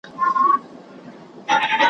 له آمو تر اباسينه ,